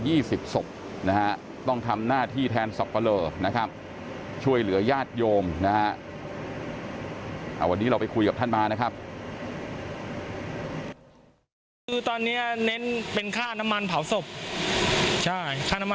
วันนี้เราไปคุยกับท่านบ้านนะครับ